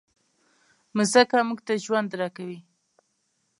مځکه موږ ته ژوند راکوي.